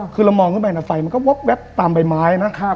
ก็แว๊บตามไปไม้นะ